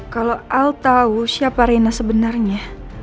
kalo al tau siapa rena sebenernya